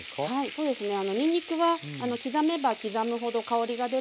そうですねはい。